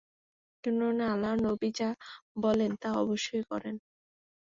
কেননা, আল্লাহর নবী যা বলেন তা অবশ্যই করেন।